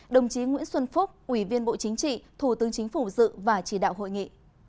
đồng chí nguyễn xuân phúc ủy viên bộ chính trị thủ tướng chính phủ dự và chỉ đạo hội nghị